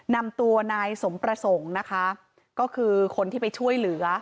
นำตัวนายสมประสงค์นะคะก็คือคนที่ไปช่วยเหลือ